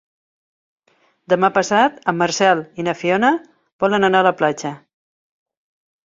Demà passat en Marcel i na Fiona volen anar a la platja.